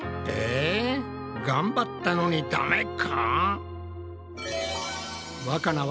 え頑張ったのにダメか？